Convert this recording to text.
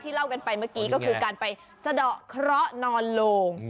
เล่ากันไปเมื่อกี้ก็คือการไปสะดอกเคราะห์นอนโลง